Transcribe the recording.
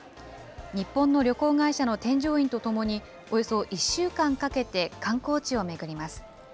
日本の旅行会社の添乗員と共に、およそ１週間かけて観光地を巡ります。